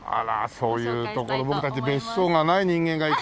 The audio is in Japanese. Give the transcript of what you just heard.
そういう所僕たち別荘がない人間が行くと。